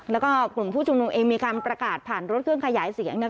แล้วก็กลุ่มผู้ชุมนุมเองมีการประกาศผ่านรถเครื่องขยายเสียงเนี่ย